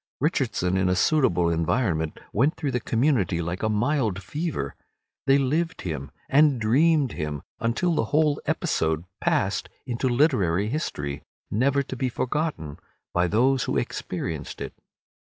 Richardson in a suitable environment went through the community like a mild fever. They lived him, and dreamed him, until the whole episode passed into literary history, never to be forgotten by those who experienced it.